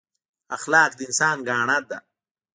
اخلاق د انسان ګاڼه ده